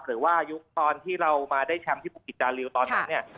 หรือว่ายุคตอนที่เรามาได้แชมป์ที่บุกิจดาริวตอนนั้นเนี่ย